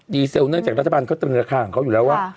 เซลเนื่องจากรัฐบาลเขาตึงราคาของเขาอยู่แล้วว่า